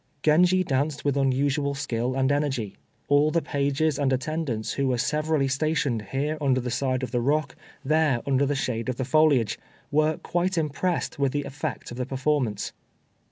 Genji danced with unusual skill and energy. All the pages and attendants, who were severally stationed here under the side of the rock, there under the shade of the foliage, were quite impressed with the effects of the performance.